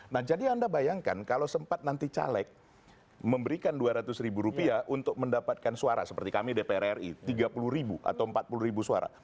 nah jadi anda bayangkan kalau sempat nanti caleg memberikan dua ratus ribu rupiah untuk mendapatkan suara seperti kami dpr ri tiga puluh ribu atau empat puluh ribu suara